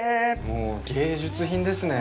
もう芸術品ですね。